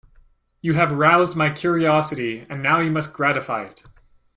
You have roused my curiosity, and now you must gratify it.